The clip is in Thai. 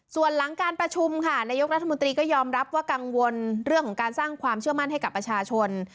ส่วนหลังการประชุมค่ะนายกรัฐมนตรีก็ยอมรับว่ากังวลเรื่องของการสร้างความเชื่อมั่นให้กับประชาชน